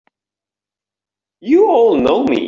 You all know me!